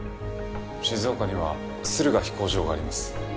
静岡には駿河飛行場があります。